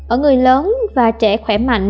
ở người lớn và trẻ khỏe mạnh